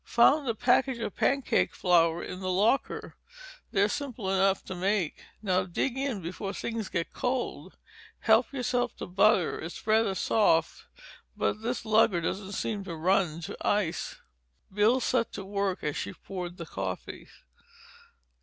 "Found a package of pancake flour in the locker. They're simple enough to make. Now dig in before things get cold. Help yourself to butter—it's rather soft, but this lugger doesn't seem to run to ice." Bill set to work as she poured the coffee.